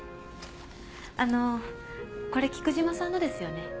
あのこれ菊島さんのですよね？